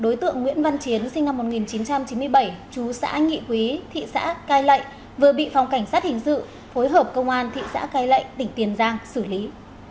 đối tượng nguyễn văn chiến sinh năm một nghìn chín trăm chín mươi bảy chú xã nghị quý thị xã cai lệ vừa bị phòng cảnh sát hình sự phối hợp công an thị xã cai lệ tỉnh tiền giang xử lý